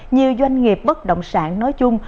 nhiều doanh nghiệp bất động sản nói chung